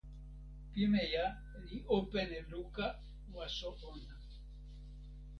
pimeja li open e luka waso ona.